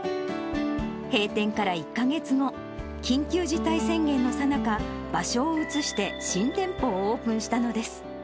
閉店から１か月後、緊急事態宣言のさなか、場所を移して新店舗をオープンしたのです。